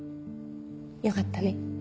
よかったね。